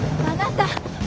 あなた！